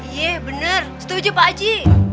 iya bener setuju pak aji